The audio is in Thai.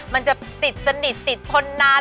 มันจะติดติดติดทนาน